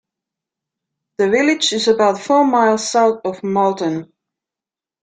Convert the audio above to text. The village is about four miles south of Malton.